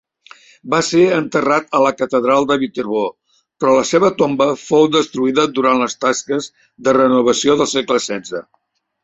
Va ser enterrat a la catedral de Viterbo, però la seva tomba fou destruïda durant les tasques de renovació del segle setze.